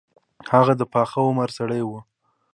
هغه د پاخه عمر سړی وو.